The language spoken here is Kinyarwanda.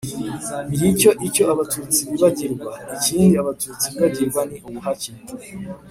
ngicyo icyo abatutsi bibagirwa. ikindi abatutsi bibagirwa ni ubuhake